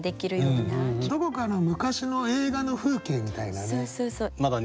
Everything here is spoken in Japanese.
どこかの昔の映画の風景みたいなね。